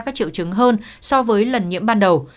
các triệu chứng hơn so với lần nhiễm ban đầu